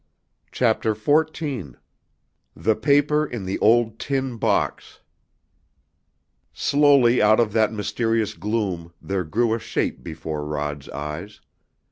CHAPTER XIV THE PAPER IN THE OLD TIN BOX Slowly out of that mysterious gloom there grew a shape before Rod's eyes.